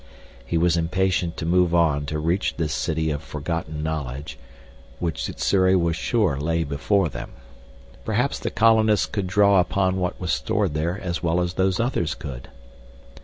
He was impatient to move on, to reach this city of forgotten knowledge which Sssuri was sure lay before them. Perhaps the colonists could draw upon what was stored there as well as Those Others could.